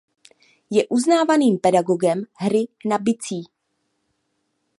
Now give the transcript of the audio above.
Je uznávaným pedagogem hry na bicí.